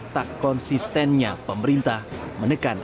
tak konsistennya pemerintah menekan